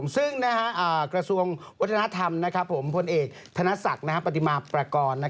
ซึ่งกระทรวงวัฒนธรรมพลเอกธนศักดิ์ปฏิมาประกอบ